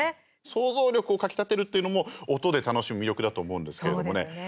想像力をかきたてるっていうのも音で楽しむ魅力だと思うんですけどもね。